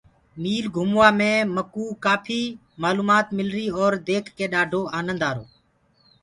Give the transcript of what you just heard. ميٚل گھُموآ مي مڪوُ ڪآڦي مآلومآت مِلر اور ديک ڪي ڏآڊو آنند بي آرو۔